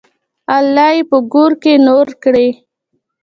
الله یې په ګور کې نور کړي.